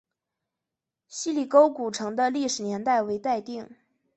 希里沟古城的历史年代为待定。